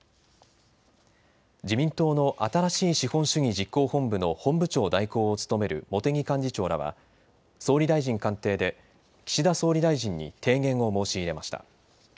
自民党の新しい資本主義実行本部の本部長代行を務める茂木幹事長らは、総理大臣官邸で岸田総理大臣に提言を申し入れました。